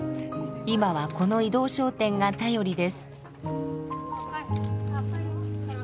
今はこの移動商店が頼りです。